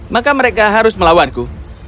maka mereka harus melawanku